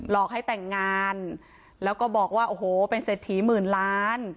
อกให้แต่งงานแล้วก็บอกว่าโอ้โหเป็นเศรษฐีหมื่นล้าน